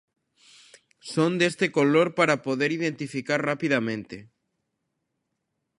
Son deste color para poder identificar rapidamente.